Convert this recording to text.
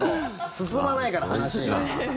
進まないから、話。